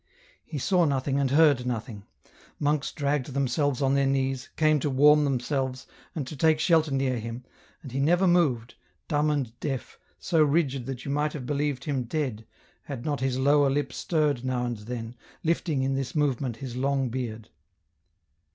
He saw nothing and heard nothing ; monks dragged themselves on their knees, came to warm themselves, and to take shelter near him, and he never moved, dumb and deaf, so rigid that you might have believed him dead, had not his lower lip stirred now and then, lifting in this movement his long beard.